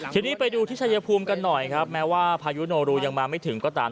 ทีนี้ไปดูที่ชายภูมิกันหน่อยครับแม้ว่าพายุโนรูยังมาไม่ถึงก็ตาม